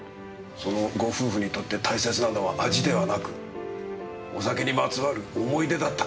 そのご夫婦にとって大切なのは味ではなくお酒にまつわる思い出だったんですね。